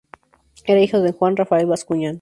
Era hijo de Juan Rafael Bascuñán.